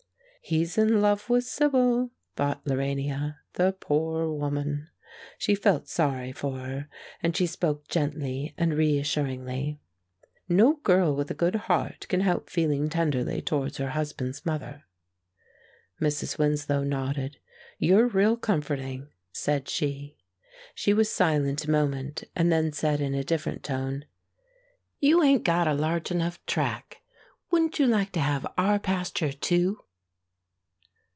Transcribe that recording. "He's in love with Sibyl," thought Lorania. "The poor woman!" She felt sorry for her, and she spoke gently and reassuringly: "No girl with a good heart can help feeling tenderly towards her husband's mother." Mrs. Winslow nodded. "You're real comforting," said she. She was silent a moment, and then said, in a different tone: "You 'ain't got a large enough track. Wouldn't you like to have our pasture too?"